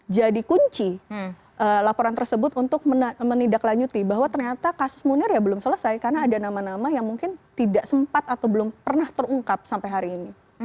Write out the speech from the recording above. jadi kunci laporan tersebut untuk menidaklanjuti bahwa ternyata kasus munir belum selesai karena ada nama nama yang mungkin tidak sempat atau belum pernah terungkap sampai hari ini